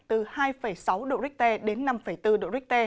từ hai sáu độ richter đến năm năm độ